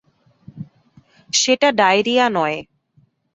সেটা ডায়রিয়া নয়।